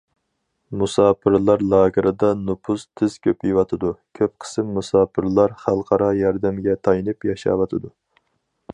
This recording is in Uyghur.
مۇساپىرلار لاگېرىدا نوپۇس تېز كۆپىيىۋاتىدۇ، كۆپ قىسىم مۇساپىرلار خەلقئارا ياردەمگە تايىنىپ ياشاۋاتىدۇ.